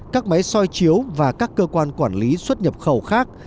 các máy soi chiếu và các cơ quan quản lý xuất nhập khẩu khác